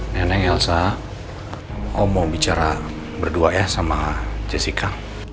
neneng elsa om mau bicara berdua ya sama jessica